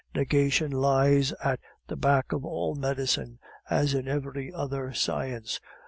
Negation lies at the back of all medicine, as in every other science.